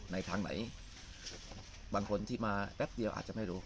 ในทางไหนบางคนที่มาแป๊บเดียวอาจจะไม่รู้